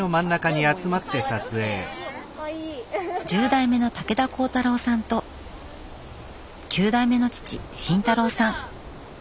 １０代目の武田浩太郎さんと９代目の父信太郎さん。